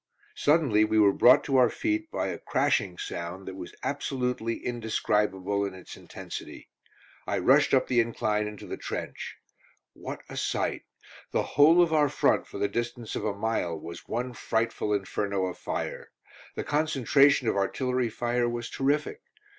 Suddenly we were brought to our feet by a crashing sound that was absolutely indescribable in its intensity. I rushed up the incline into the trench. What a sight! The whole of our front for the distance of a mile was one frightful inferno of fire. The concentration of artillery fire was terrific!